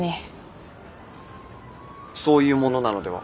そういうものなのでは。